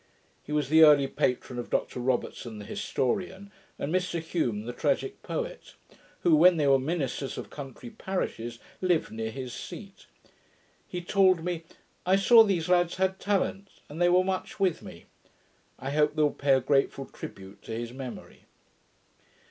He was the early patron of Dr Robertson, the historian, and Mr Home, the tragick poet; who, when they we were ministers of country parishes, lived near his seat. He told me, 'I saw these lads had talents, and they were much with me.' I hope they will pay a grateful tribute to his memory.